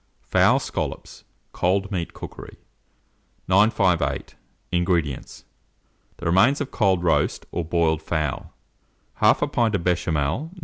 FOWL SCOLLOPS (Cold Meat Cookery). 958. INGREDIENTS. The remains of cold roast or boiled fowl, 1/2 pint of Béchamel, No.